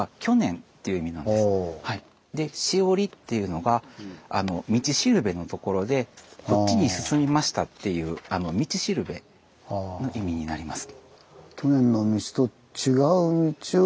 で「しほり」っていうのが道しるべのところでこっちに進みましたっていう道しるべの意味になります。